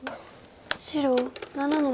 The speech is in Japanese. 白７の十。